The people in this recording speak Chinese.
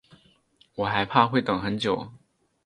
我还怕会等很久